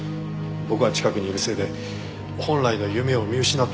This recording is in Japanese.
僕が近くにいるせいで本来の夢を見失ってるんだ。